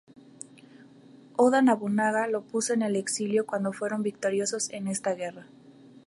Oda Nobunaga lo puso en el exilio cuando fueron victoriosos en esta guerra.